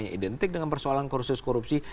yang identik dengan persoalan kursus korupsi